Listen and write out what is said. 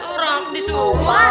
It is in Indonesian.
orang di sitten